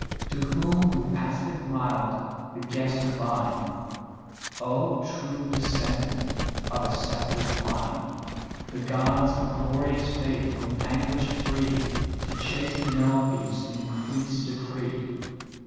To whom, with aspect mild, the guest divine: "Oh true descendant of a sceptred line! The gods a glorious fate from anguish free To chaste Penelope's increase decree.